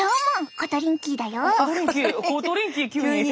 コトリンキー急に。